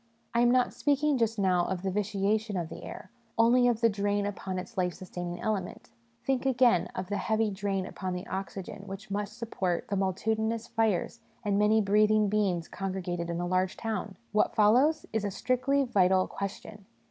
I am not speaking just now of the vitiation of the air only of the drain upon its life sustaining element. Think, again, of the heavy drain upon the oxygen which must support the multi tudinous fires and many breathing beings congregated in a large town !' What follows ?' is a strictly vital question.